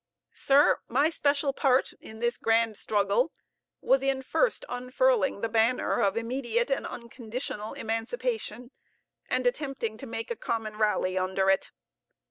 Sir, my special part in this grand struggle was in first unfurling the banner of immediate and unconditional emancipation, and attempting to make a common rally under it.